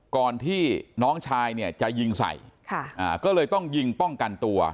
ก่อนที่น้องชายเนี่ยจะยิงใส่ก็เลยต้องยิงป้องกันตัว